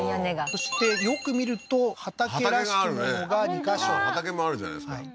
そしてよく見ると畑らしきものが２ヵ所畑もあるじゃないですか